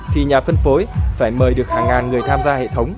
thì nhà phân phối phải mời được hàng ngàn người tham gia